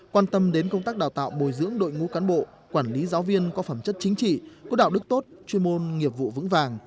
quan tâm đến công tác đào tạo bồi dưỡng đội ngũ cán bộ quản lý giáo viên có phẩm chất chính trị có đạo đức tốt chuyên môn nghiệp vụ vững vàng